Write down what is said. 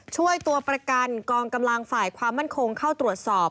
ช่วยตัวประกันกองกำลังฝ่ายความมั่นคงเข้าตรวจสอบ